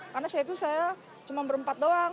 karena saya itu saya cuma berempat doang